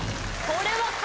これは。